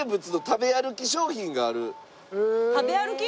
食べ歩き？